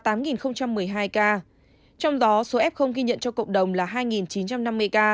trong đó số f ghi nhận cho cộng đồng là hai chín trăm năm mươi ca